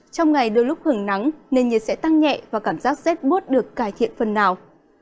trong ngày đôi lúc hưởng nắng nền nhiệt sẽ tăng nhẹ và cảm giác rét bút được cải thiện phần nào